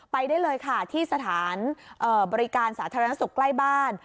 ไปได้เลยค่ะที่สถานบริการสาธารณสุขใกล้บ้าน